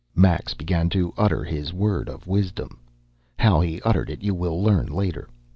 Max began to utter his word of wisdom. How he uttered it you will learn later.